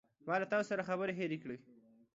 ما له تاسو سره خبرې هیرې کړې.